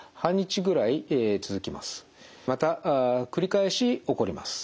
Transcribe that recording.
また繰り返し起こります。